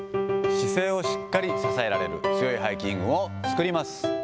姿勢をしっかり支えられる強い背筋を作ります。